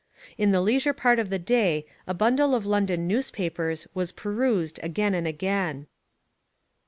In the leisure part of the day a bundle of London newspapers was perused again and again.